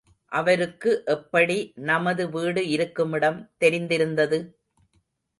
அவருக்கு எப்படி நமது வீடு இருக்குமிடம் தெரிந்தது?